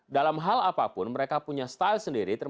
dalam hal apapun mereka punya style sendiri termasuk untuk urusan budaya